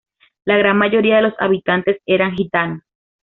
La gran mayoría de los habitantes eran gitanos.